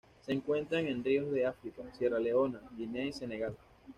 Se encuentran en ríos de África: Sierra Leona, Guinea y Senegal.